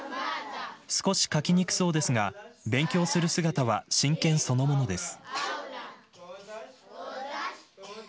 少し書きにくそうですが勉強する姿は真剣そのものです。